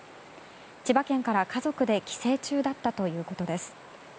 千葉県から家族で帰省中だったということです。